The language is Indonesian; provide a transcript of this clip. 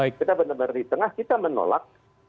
kita benar benar di tengah kita menolak